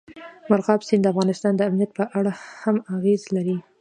مورغاب سیند د افغانستان د امنیت په اړه هم اغېز لري.